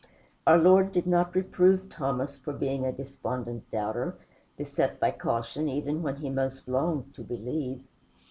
Our Lord did not reprove Thomas for being a despondent doubter, beset by caution even when he most longed to believe.